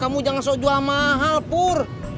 kamu jangan sok jual mahal pur